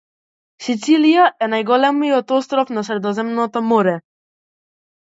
Сицилија е најголемиот остров на Средоземното Море.